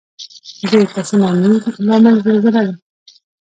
د تسونامي لامل زلزله ده.